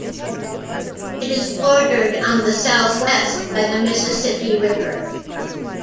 It is bordered on the southwest by the Mississippi River.